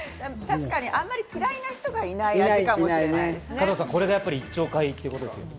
あんまり嫌いな人がいない味かもしれないですね。